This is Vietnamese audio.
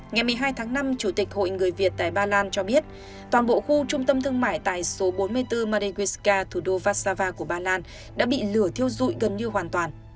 ngày một mươi hai tháng năm chủ tịch hội người việt tại ba lan cho biết toàn bộ khu trung tâm thương mại tại số bốn mươi bốn madewiska thủ đô vassava của ba lan đã bị lửa thiêu dụi gần như hoàn toàn